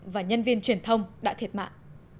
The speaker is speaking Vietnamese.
và nhân viên truyền thông đã thiệt mạng